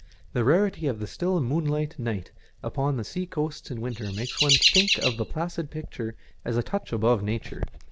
The rarity of thft still moonlight night upon the sea coasts in winter makes one think of the placid picture as a touch above nature.